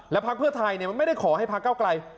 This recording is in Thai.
พักเพื่อไทยมันไม่ได้ขอให้พักเก้าไกล